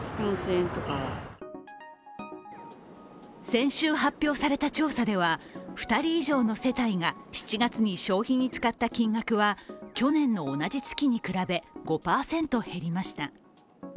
先週、発表された調査では、２人以上の世帯が７月に消費に使った金額は去年の同じ月に比べ、５％減りました。